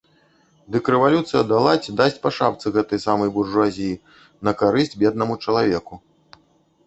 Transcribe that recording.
Дык рэвалюцыя дала ці дасць па шапцы гэтай самай буржуазіі, на карысць беднаму чалавеку.